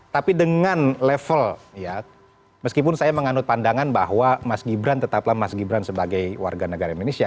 tapi dengan level ya meskipun saya menganut pandangan bahwa mas gibran tetaplah mas gibran sebagai warga negara indonesia